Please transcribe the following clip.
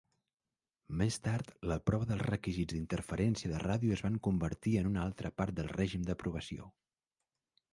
Més tard, la prova dels requisits d'interferència de ràdio es va convertir en una altra part del règim d'aprovació.